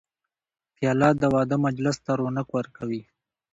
پیاله د واده مجلس ته رونق ورکوي.